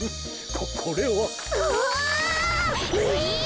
ここれは。うお！え！？